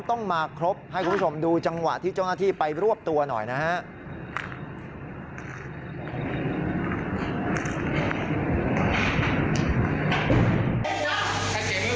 ต้องมาครบให้คุณผู้ชมดูจังหวะที่เจ้าหน้าที่ไปรวบตัวหน่อยนะครับ